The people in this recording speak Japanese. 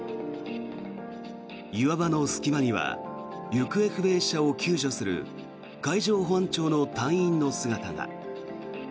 岩場の隙間には行方不明者を救助する海上保安庁の隊員の姿が。